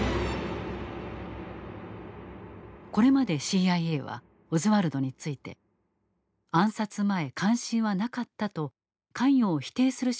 これまでＣＩＡはオズワルドについて「暗殺前関心はなかった」と関与を否定する証言を繰り返してきた。